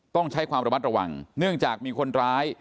ต้องใช้ความระมัดระวังเนื่องจากมีคนร้าย